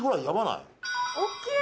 おっきい！